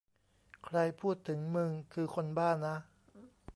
ใครพูดถึงมึงคือคนบ้านะ